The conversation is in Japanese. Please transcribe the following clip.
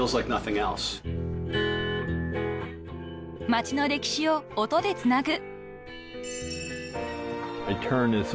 ［町の歴史を音でつなぐ］